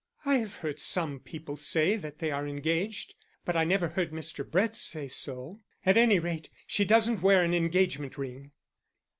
"I have heard some people say that they are engaged, but I never heard Mr. Brett say so. At any rate, she doesn't wear an engagement ring."